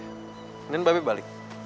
mungkin mbak b balik